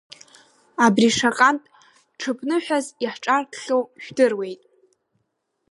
Абри шаҟантә ҽыԥныҳәас иаҳҿаркхьоу жәдыруеит…